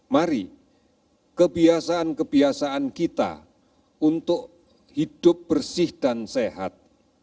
mari kebiasaan kebiasaan kita untuk hidup bersih dan sehat